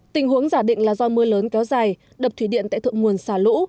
tình huống giả định là do mưa lớn kéo dài đập thủy điện tại thượng nguồn xả lũ